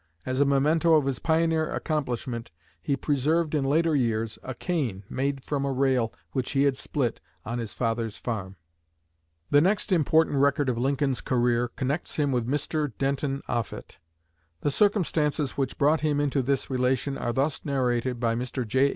As a memento of his pioneer accomplishment he preserved in later years a cane made from a rail which he had split on his father's farm. The next important record of Lincoln's career connects him with Mr. Denton Offutt. The circumstances which brought him into this relation are thus narrated by Mr. J.